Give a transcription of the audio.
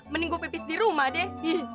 mending gue pepis di rumah deh